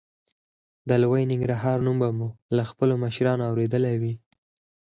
د لوی ننګرهار نوم به مو له خپلو مشرانو اورېدلی وي.